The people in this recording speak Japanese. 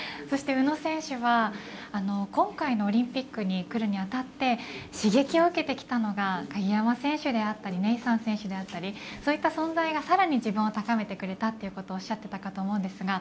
宇野選手は今回のオリンピックに来るにあたって刺激を受けてきたのが鍵山選手であったりネイサン選手だったりそういった存在がさらに自分を高めてくれたとおっしゃっていたと思います。